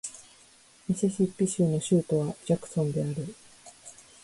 ミシシッピ州の州都はジャクソンである